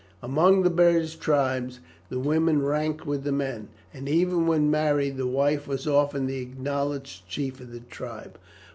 Among the British tribes the women ranked with the men, and even when married the wife was often the acknowledged chief of the tribe.